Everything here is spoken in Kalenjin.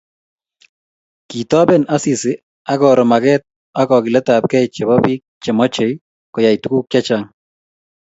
Kitoben Asisi akoro maget ak kogiletabkei chebo bik chemochei koyai tuguk chechang